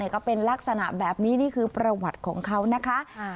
ก็เป็นลักษณะแบบนี้นี่คือประวัติของเขานะคะ